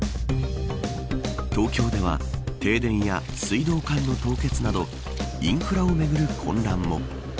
東京では停電や水道管の凍結などインフラをめぐる混乱も。